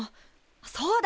そうだ！